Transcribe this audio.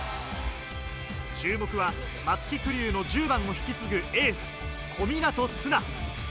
注目は松木玖生の１０番を引き継ぐエース・小湊絆。